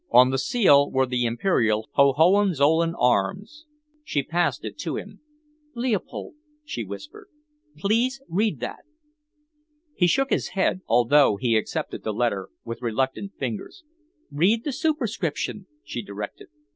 On the seal were the Imperial Hohenzollern arms. She passed it to him. "Leopold," she whispered, "please read that." He shook his head, although he accepted the letter with reluctant fingers. "Read the superscription," she directed.